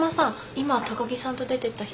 今高木さんと出てった人って？